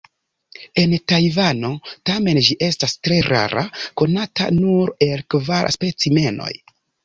En Tajvano tamen ĝi estas tre rara, konata nur el kvar specimenoj.